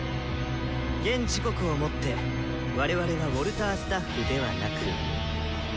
現時刻をもって我々はウォルタースタッフではなく。